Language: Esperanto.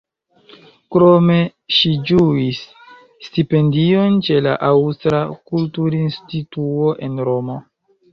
Krome ŝi ĝuis stipendion ĉe la Aŭstra kulturinstituo en Romo.